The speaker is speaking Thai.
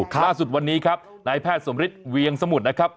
ล่าสุดวันนี้ครับนายแพทย์สมฤทธิเวียงสมุทรนะครับ